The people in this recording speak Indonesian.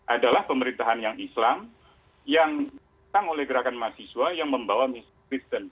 adalah pemerintahan yang islam yang datang oleh gerakan mahasiswa yang membawa kristen